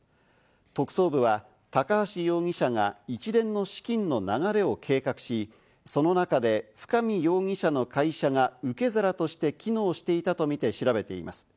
特捜部は高橋容疑者が一連の資金の流れを計画し、その中で、深見容疑者の会社が受け皿として機能していたとみて調べています。